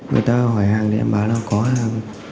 người ta hỏi hàng thì em báo là có hàng